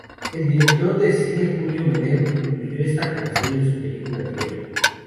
El director de cine Julio Medem incluyó esta canción en su película Tierra.